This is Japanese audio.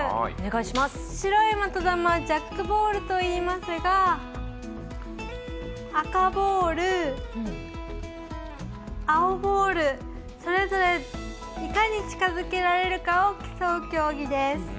白い的球ジャックボールといいますが赤ボール、青ボールそれぞれいかに近づけられるかを競う競技です。